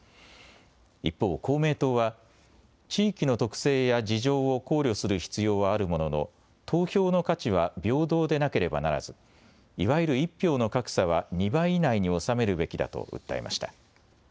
一方、公明党は地域の特性や事情を考慮する必要はあるものの投票の価値は平等でなければならず、いわゆる１票の格差は２倍以内に収めるべきだと訴えました。